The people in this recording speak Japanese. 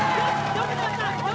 よくやった！